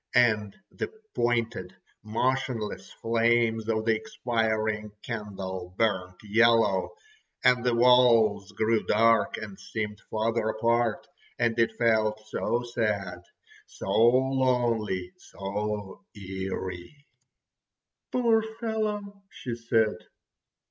And the pointed, motionless flames of the expiring candle burnt yellow—and the walls grew dark and seemed farther apart—and it felt so sad, so lonely, so eery. "Poor fellow!" she said.